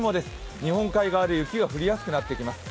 日本海側で雪が降りやすくなっていきます。